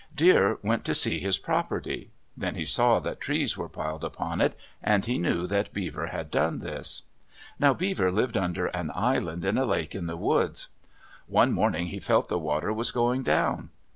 Deer went to see his property. Then he saw that trees were piled upon it and he knew that Beaver had done this. Now Beaver lived under an island in a lake in the woods. One morning he felt the water was going down.